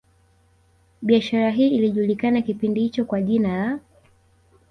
Biashara hii ilijulikana kipindi hicho kwa jina la